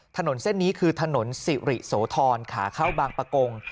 ถนนเส้นนี้คือถนนสิริโสธรขาเข้าบางประกง